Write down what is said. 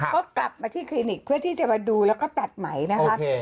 ก็กลับมาที่คลินิกเพื่อที่จะมาดูแล้วก็ตัดไหมนะคะ